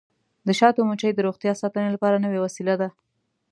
د شاتو مچۍ د روغتیا ساتنې لپاره نوې وسیله ده.